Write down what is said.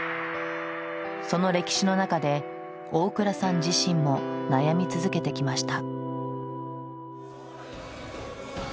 その歴史の中で大倉さん自身も悩み続けてきました。